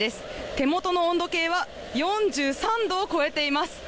手元の温度計は４３度を超えています。